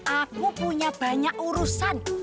aku punya banyak urusan